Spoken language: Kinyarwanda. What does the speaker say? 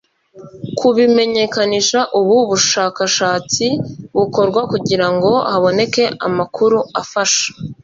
Kubimenyekanisha ubu bushakashatsi bukorwa kugira ngo haboneke amakuru afasha